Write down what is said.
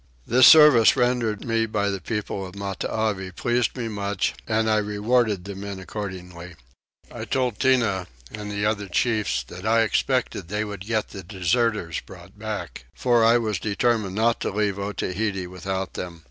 This service rendered me by the people of Matavai pleased me much and I rewarded the men accordingly. I told Tinah and the other chiefs that I expected they would get the deserters brought back; for that I was determined not to leave Otaheite without them.